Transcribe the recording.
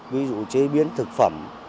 ví dụ chế biến thực phẩm